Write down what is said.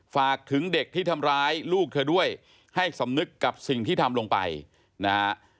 ฝากถึงเด็กที่ทำร้ายลูกเธอด้วยให้สำนึกกับสิ่งที่ทำลงไปนะฮะ